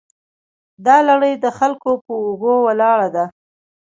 دا لړۍ د خلکو په اوږو ولاړه ده.